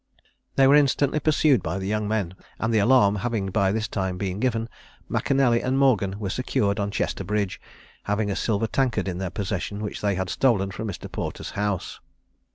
They were instantly pursued by the young men, and the alarm having by this time been given, M'Canelly and Morgan were secured on Chester bridge, having a silver tankard in their possession which they had stolen from Mr. Porter's house.